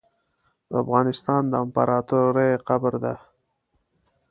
افغانستان د امپراتوریو قبر ده .